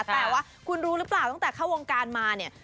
แต่ว่าคุณรู้หรือเปล่าตั้งแต่เข้าวงการมาเนี่ย